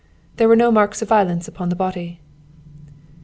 "There were no marks of violence upon the body."